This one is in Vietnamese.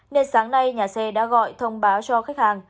nên sáng nay nhà xe đã gọi thông báo cho khách hàng